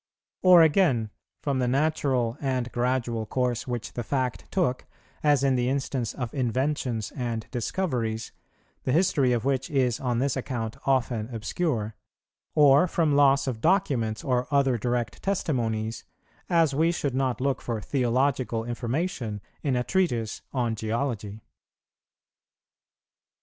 Or, again, from the natural and gradual course which the fact took, as in the instance of inventions and discoveries, the history of which is on this account often obscure; or from loss of documents or other direct testimonies, as we should not look for theological information in a treatise on geology.